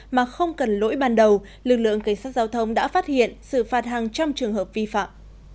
mà không cần lỗi ban đầu lực lượng cảnh sát giao thông đã phát hiện xử phạt hàng trăm trường hợp vi phạm